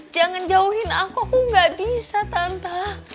jangan jauhin aku aku gak bisa tanta